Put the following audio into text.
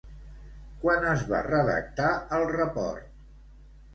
Quan es va redactar el report?